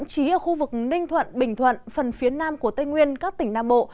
chỉ ở khu vực ninh thuận bình thuận phần phía nam của tây nguyên các tỉnh nam bộ